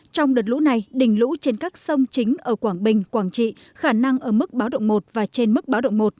trong đợt lũ này đỉnh lũ trên các sông chính ở quảng bình quảng trị khả năng ở mức báo động một và trên mức báo động một